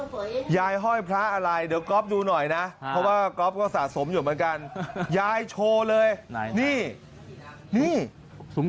เค้าจะเห็นแล้วอุ๊ยคุณญายห้อยมานานใช่ไหม